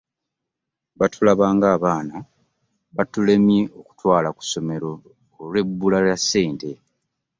Batulaba ng'abaana batulemye okutwala ku masomero olw'ebbula lya Ssente